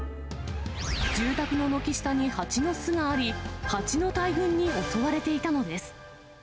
住宅の軒下に蜂の巣があり、蜂の大群に襲われていたのです。